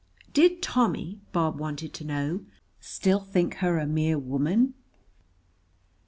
Did Tommy, Bob wanted to know, still think her a mere woman?